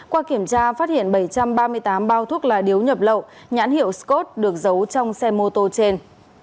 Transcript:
qua kiểm tra phát hiện bảy trăm ba mươi tám bao thuốc lá điếu nhập lậu nhãn hiệu scot được giấu trong xe mô tô trên